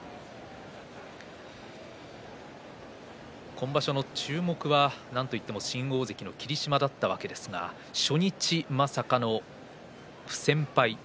今場所の注目は、なんといっても新大関の霧島だったわけですが初日まさかの不戦敗。